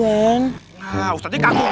ah ustaznya kaku gerakannya